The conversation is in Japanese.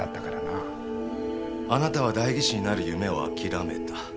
あなたは代議士になる夢を諦めた。